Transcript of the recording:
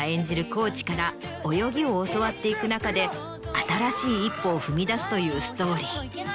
コーチから泳ぎを教わっていく中で新しい一歩を踏み出すというストーリー。